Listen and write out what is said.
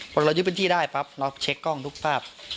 พอเรายึดพื้นที่ได้ปั๊บเราเช็คกล้องทุกภาพ